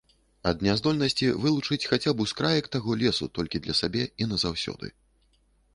Ад няздольнасці вылучыць хаця б ускраек таго лесу толькі для сабе і назаўсёды.